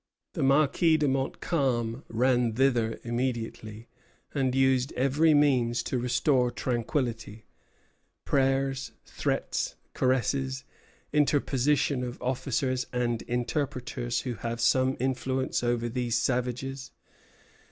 The Marquis de Montcalm ran thither immediately, and used every means to restore tranquillity: prayers, threats, caresses, interposition of the officers and interpreters who have some influence over these savages."